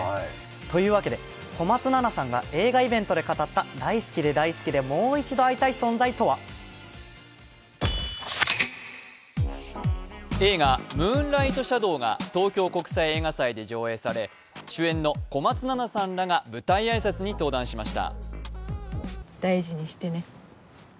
というわけで、小松菜奈さんが映画イベントで語った大好きで大好きでもう一度、会いたい存在とは映画「ムーンライト・シャドウ」が東京国際映画祭で上演され、主演の小松菜奈さんらが舞台挨拶に登壇しました。